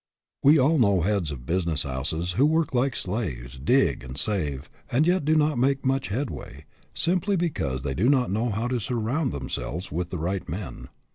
We all know heads of business houses who work like slaves, dig and save, and yet do not make much headway, simply because they do not know how to surround themselves with the right men.